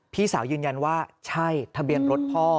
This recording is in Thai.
พี่สาวยืนยันว่าใช่ทะเบียนรถพ่อ